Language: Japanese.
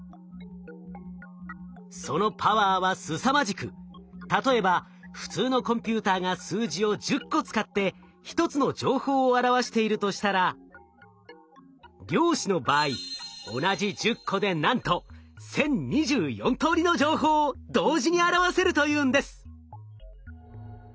そのパワーはすさまじく例えば普通のコンピューターが数字を１０個使って１つの情報を表しているとしたら量子の場合同じ１０個でなんと１，０２４通りの情報を同時に表せるというんです。